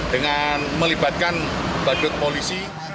dengan melibatkan badut polisi